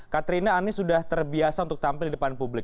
katrina anies sudah terbiasa untuk tampil di depan publik